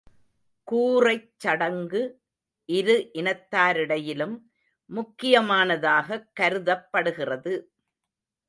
கூறைச் சடங்கு, இரு இனத்தாரிடையிலும் முக்கிய மானதாகக் கருதப்படுகிறது.